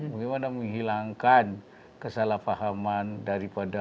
bagaimana menghilangkan kesalahpahaman dari pemerintah